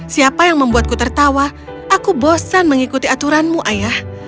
siapa yang membuatku tertawa aku bosan mengikuti aturanmu ayah